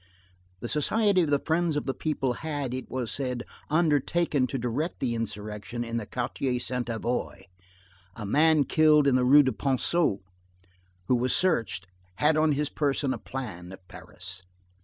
The Society of the Friends of the People had, it was said, undertaken to direct the insurrection in the Quartier Sainte Avoye. A man killed in the Rue du Ponceau who was searched had on his person a plan of Paris.